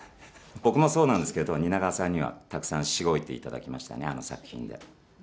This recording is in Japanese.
僕もそうなんですけど蜷川さんには、たくさんしごいていただきましたね、あの作品で。